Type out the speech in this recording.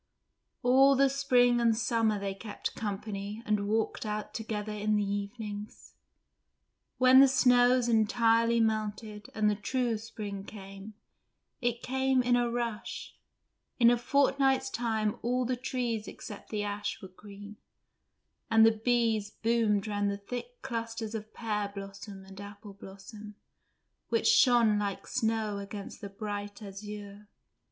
All the spring and summer they kept company and walked out together in the evenings. When the snows entirely melted and the true spring came, it came with a rush; in a fortnight's time all the trees except the ash were green, and the bees boomed round the thick clusters of pear blossom and apple blossom, which shone like snow against the bright azure.